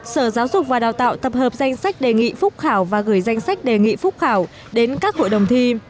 sở giáo dục và đào tạo tập hợp danh sách đề nghị phúc khảo và gửi danh sách đề nghị phúc khảo đến các hội đồng thi